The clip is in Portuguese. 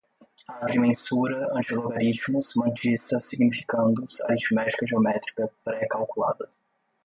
agrimensura, antilogaritmos, mantissa, significandos, aritmética-geométrica, pré-calculada